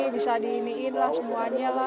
bisa diiniin lah semuanya lah